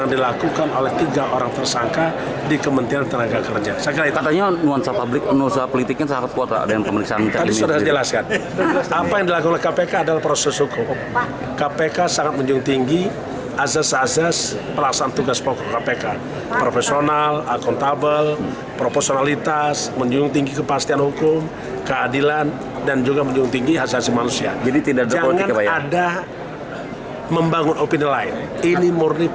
firly menekankan tidak ada nuansa politis dalam pemeriksaan mohaimin iskandar pada hari ini